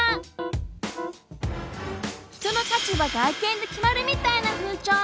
人の価値は外見で決まるみたいな風潮。